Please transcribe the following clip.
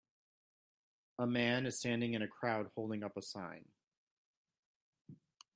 A man is standing in a crowd holding up a sign